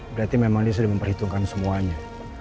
berarti memang dia sudah memperhitungkan semuanya